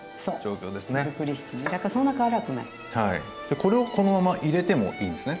これをこのまま入れてもいいんですね。